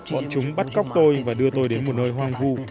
bọn chúng bắt cóc tôi và đưa tôi đến một nơi hoang vu